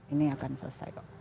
ini akan selesai kok